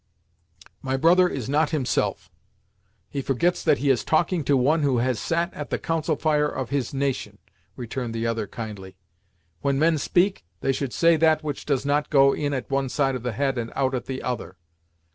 "My brother is not himself; he forgets that he is talking to one who has sat at the Council Fire of his nation," returned the other kindly. "When men speak, they should say that which does not go in at one side of the head and out at the other.